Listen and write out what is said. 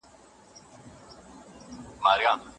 نه په داد به څوك رسېږي د خوارانو